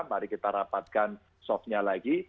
mari kita rapatkan softnya lagi